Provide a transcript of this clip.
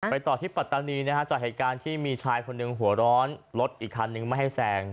ต่อที่ปัตตานีนะฮะจากเหตุการณ์ที่มีชายคนหนึ่งหัวร้อนรถอีกคันนึงไม่ให้แซง